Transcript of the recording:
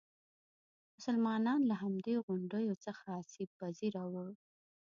مسلمانان له همدې غونډیو څخه آسیب پذیره وو.